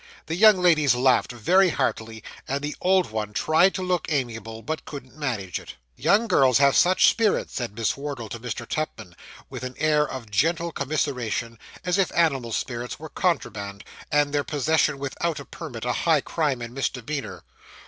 The young ladies laughed very heartily, and the old one tried to look amiable, but couldn't manage it. 'Young girls have such spirits,' said Miss Wardle to Mr. Tupman, with an air of gentle commiseration, as if animal spirits were contraband, and their possession without a permit a high crime and misdemeanour.